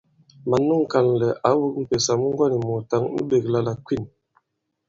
Mǎn nu ŋ̀kànlɛ̀ ǎ wōk m̀pèsà mu ŋgɔ̂n-mùùtǎŋ nu ɓēkla la Kwîn.